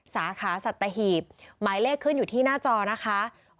สาขาสัตหีบหมายเลขขึ้นอยู่ที่หน้าจอนะคะ